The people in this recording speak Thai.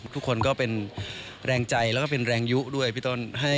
ทุกคนก็เป็นแรงใจแล้วก็เป็นแรงยุด้วยพี่ต้น